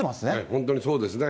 本当にそうですね。